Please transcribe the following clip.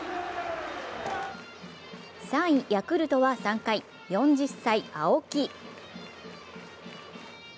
３位・ヤクルトは３回、４０歳青木。